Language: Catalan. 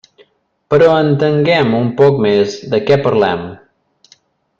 Però entenguem un poc més de què parlem.